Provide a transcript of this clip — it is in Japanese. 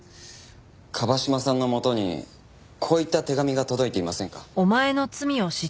椛島さんのもとにこういった手紙が届いていませんか？